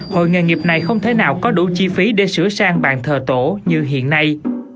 hội nghề nghiệp này không thể nào có đủ chi phí để sửa sang bàn thờ tổ như hiện nay